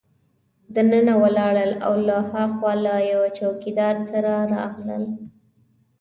دننه ولاړل او له هاخوا له یوه چوکیدار سره راغلل.